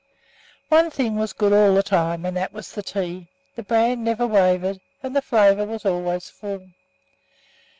One thing was good all the time, and that was the tea. The brand never wavered, and the flavour was always full.